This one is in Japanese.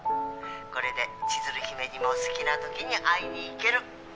これで千鶴姫にも好きな時に会いに行ける！